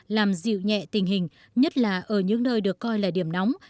làm dịu nhẹ tình hình nhất là ở những nơi được coi là điểm nóng